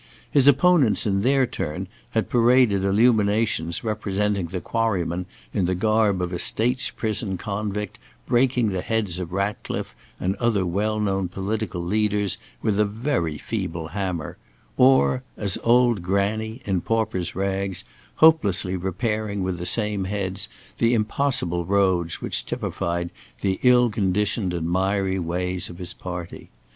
His opponents in their turn had paraded illuminations representing the Quarryman in the garb of a State's prison convict breaking the heads of Ratcliffe and other well known political leaders with a very feeble hammer, or as "Old Granny" in pauper's rags, hopelessly repairing with the same heads the impossible roads which typified the ill conditioned and miry ways of his party.